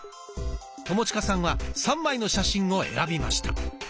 友近さんは３枚の写真を選びました。